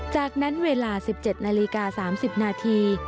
จากนั้นเวลา๑๗นาฬิกา๓๐นาที